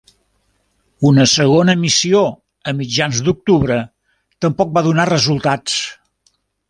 Una segona missió a mitjans d'octubre tampoc va donar resultats.